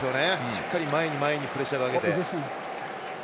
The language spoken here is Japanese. しっかり前にプレッシャーかけて。